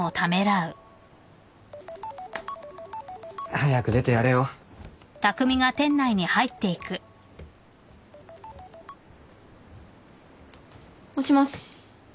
早く出てやれよ。もしもし。